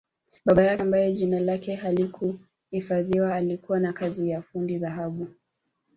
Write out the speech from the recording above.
Baba yake ambaye jina lake halikuhifadhiwa alikuwa na kazi ya fundi dhahabu